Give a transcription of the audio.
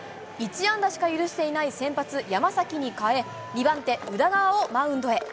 １安打しか許していない先発、山崎に代え、２番手、宇田川をマウンドへ。